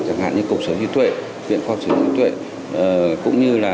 chẳng hạn như cục xử lý thuệ viện pháp xử lý thuệ